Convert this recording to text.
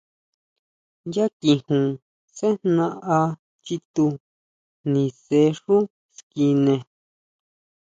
Yá kijun sejna á chitú, nise xú skine.